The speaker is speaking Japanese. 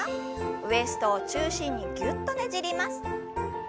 ウエストを中心にぎゅっとねじります。